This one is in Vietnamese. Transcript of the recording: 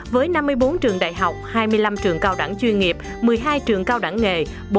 với năm mươi bốn trường đại học hai mươi năm trường cao đẳng chuyên nghiệp một mươi hai trường cao đẳng nghề